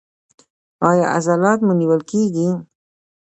ایا عضلات مو نیول کیږي؟